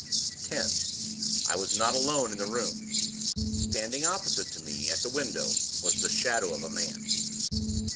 "10. I was not alone in the room. Standing opposite to me at the window was the Shadow of a Man.